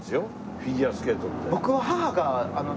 フィギュアスケートって。